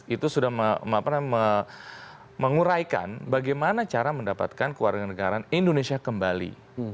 itu sudah menguraikan bagaimana cara mendapatkan kewarganegaraan indonesia kembali